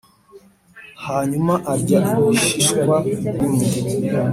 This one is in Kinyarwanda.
hanyuma arya ibishishwa bimwe